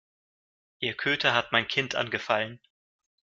Ihr Köter hat mein Kind angefallen.